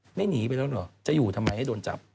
หนีไปแล้วเหรอจะอยู่ทำไมให้โดนจับ